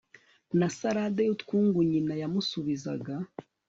na salade yutwungu Nyina yamusubizaga